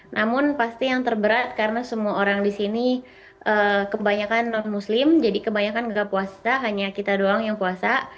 namun pasti yang terberat karena semua orang di sini kebanyakan non muslim jadi kebanyakan nggak puasa hanya kita doang yang puasa